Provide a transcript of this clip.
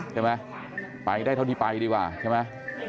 ใช่ไหมไปได้เท่าที่ไปดีกว่าใช่ไหม